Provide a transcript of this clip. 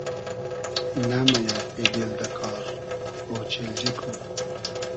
نۂ مئیۂ ای دیل دۂ کار ، اۉچیلجی کو